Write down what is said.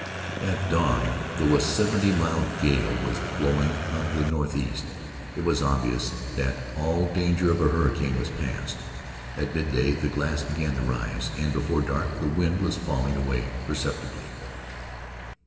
At dawn, though a seventy mile gale was blowing out of the northeast, it was obvious that ah danger of a hurricane was past. At midday the glass began to rise and before dark the wind was falling away perceptibly.